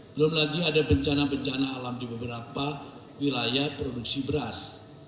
belum lagi ada bencana bencana alam di beberapa wilayah produksi beras